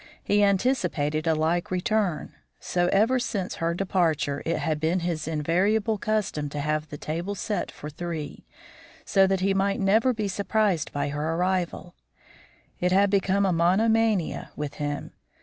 He anticipated a like return; so, ever since her departure, it had been his invariable custom to have the table set for three, so that he might never be surprised by her arrival. It had become a monomania with him.